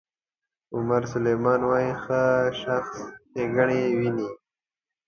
عمر سلیمان وایي ښه شخص ښېګڼې ویني.